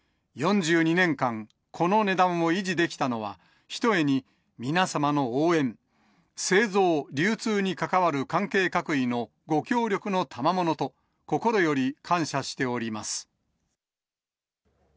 ４２年間、この値段を維持できたのは、ひとえに皆様の応援、製造、流通に関わる関係各位のご協力の賜物と、心より感謝しております。